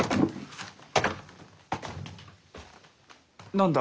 何だ？